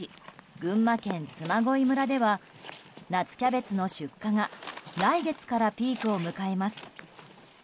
群馬県嬬恋村では夏キャベツの出荷が来月からピークを迎えます。